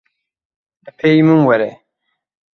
Li pêyî min were.